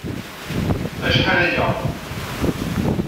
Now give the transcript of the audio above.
Acḥal-aya.